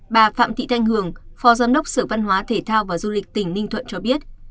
bà phạm thị thanh hường phó giám đốc sở văn hóa thể thao và du lịch tỉnh ninh thuận cho biết